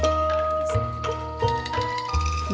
terima kasih ya cuk